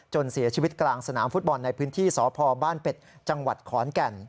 เสียชีวิตกลางสนามฟุตบอลในพื้นที่สพบ้านเป็ดจังหวัดขอนแก่น